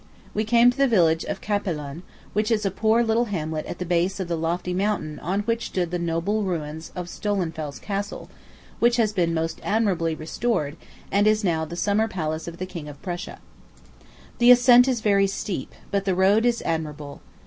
We came to the village of Capellen, which is a poor little hamlet at the base of the lofty mountain on which stood the noble ruins of Stolzenfels Castle, which has been most admirably restored, and is now the summer palace of the King of Prussia. The ascent is very steep, but the road is admirable.